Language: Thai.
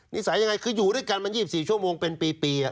สายยังไงคืออยู่ด้วยกันมา๒๔ชั่วโมงเป็นปี